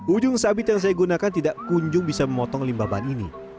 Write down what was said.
ujung sabit yang saya gunakan tidak kunjung bisa memotong limbah ban ini